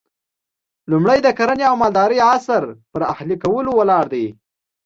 لومړی د کرنې او مالدارۍ عصر پر اهلي کولو ولاړ دی